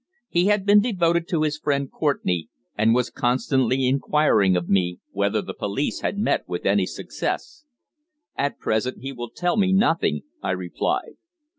He had been devoted to his friend Courtenay, and was constantly inquiring of me whether the police had met with any success. "At present he will tell me nothing," I replied.